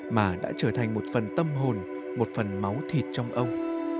mà đã trở thành một phần tâm hồn một phần máu thịt trong ông